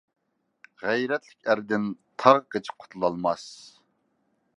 غەيرەتلىك ئەردىن تاغ قېچىپ قۇتۇلالماس.